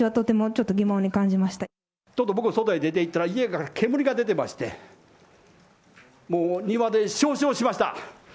ちょっと僕が外へ出ていったら、家から煙が出てまして、もう庭で焼死をしました。